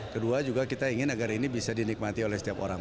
kedua juga kita ingin agar ini bisa dinikmati oleh setiap orang